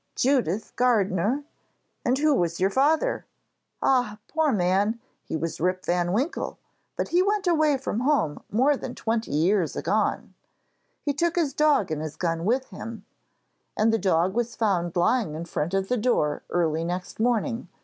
'Judith Gardener.' 'And who was your father?' 'Ah, poor man, he was Rip van Winkle; but he went away from home more than twenty years agone. He took his dog and his gun with him, and the dog was found lying in front of the door early next morning.